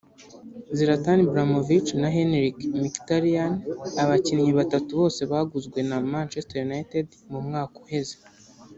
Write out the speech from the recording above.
Zlatan Ibrahimovic na Henrikh Mkhitaryan- abakinyi batatu bose baguzwe na Manchester United mu mwaka uheze